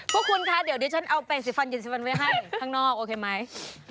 พวกคุณคะเดี๋ยวเดี๋ยวฉันเอาเปลงสิบฟันอย่างสิบฟันไว้ให้ข้างนอกโอเคไหม